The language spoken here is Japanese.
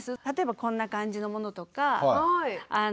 例えばこんな感じのものとか。